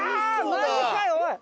マジかよおい！